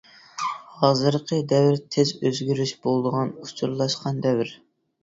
ھازىرقى دەۋر تېز ئۆزگىرىش بولىدىغان ئۇچۇرلاشقان دەۋر.